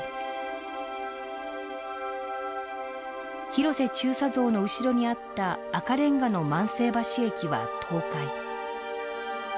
広瀬中佐像の後ろにあった赤レンガの万世橋駅は倒壊。